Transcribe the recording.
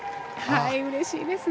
うれしいですね。